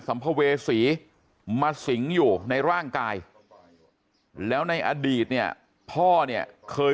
ภเวษีมาสิงอยู่ในร่างกายแล้วในอดีตเนี่ยพ่อเนี่ยเคย